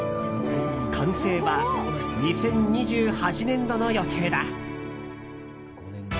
完成は２０２８年度の予定だ。